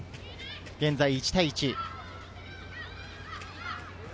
現在１対１。